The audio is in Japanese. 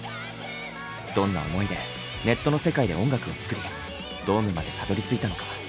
どんな思いでネットの世界で音楽を作りドームまでたどりついたのか。